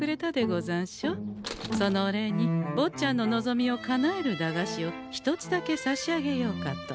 そのお礼にぼっちゃんの望みをかなえる駄菓子を１つだけ差し上げようかと。